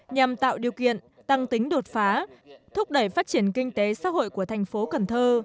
nhằm tạo điều kiện tăng tính đột phá thúc đẩy phát triển kinh tế xã hội của thành phố cần thơ